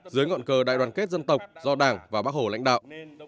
dưới ngọn cờ đại đoàn kết dân tộc do đảng và bác hồ lãnh đạo